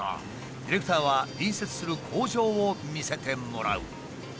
ディレクターは隣接する工場を見せてもらう。